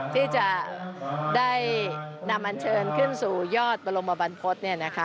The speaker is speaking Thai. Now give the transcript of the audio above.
ที่จะได้นำอันเชิญขึ้นสู่ยอดบรมบรรพฤษ